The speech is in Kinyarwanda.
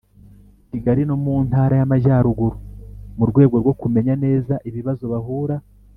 Kigali no mu Ntara y Amajyarugu mu rwego rwo kumenya neza ibibazo bahura